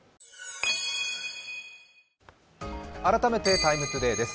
改めて「ＴＩＭＥ，ＴＯＤＡＹ」です。